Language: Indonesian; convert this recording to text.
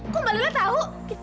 kok malah dia tahu